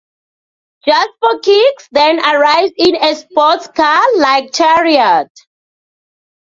Justforkix then arrives in a sports car-like chariot.